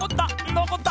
のこった！